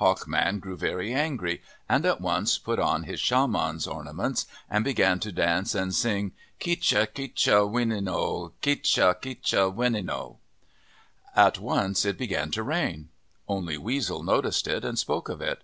Hawk Man grew very angry, and at once put on his shaman's ornaments and began to dance and to sing, " Ketj ketja wmtno, ketj ketja winino" At once it began to rain. Only Weasel noticed it and spoke of it.